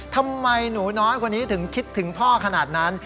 ทำไมหนูน้อยคนนี้ถึงคิดถึงพ่อขนาดนั้น